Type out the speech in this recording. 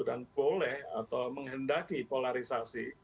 dan boleh atau menghendaki polarisasi